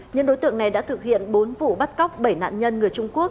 những đối tượng này đã thực hiện bốn vụ bắt cóc bảy nạn nhân người trung quốc